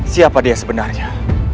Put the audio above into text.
siapa dia sebenarnya